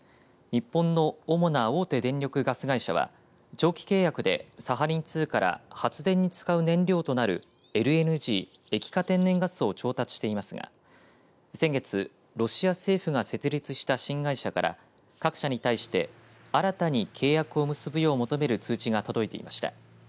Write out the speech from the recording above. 日本の主な大手電力・ガス会社は長期契約でサハリン２から発電に使う燃料となるＬＮＧ、液化天然ガスを調達していますが先月、ロシア政府が設立した新会社から各社に対して新たに契約を結ぶよう求める通知が届いていました。